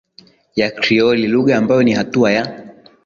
ya Krioli lugha ambayo ni hatua ya